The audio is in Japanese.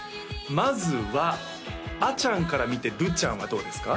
まずはあちゃんから見てるちゃんはどうですか？